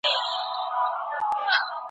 خپلې وېرې وپېژنئ ترڅو پرې غالب شئ.